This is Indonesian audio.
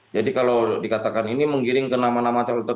jadi kalau dikatakan ini mengiring ke nama nama calon tertentu